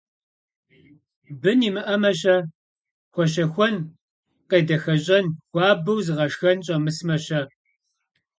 Бын имыӀэмэ-щэ? Хуэщэхуэн, къедэхэщӀэн, хуабэу зыгъэшхэн щӀэмысмэ-щэ?